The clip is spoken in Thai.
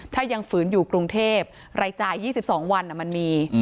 ถ้ายังฝืนอยู่กรุงเทพรายจ่าย๒๒วันมันมี